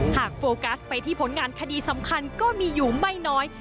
โฟกัสไปที่ผลงานคดีสำคัญก็มีอยู่ไม่น้อย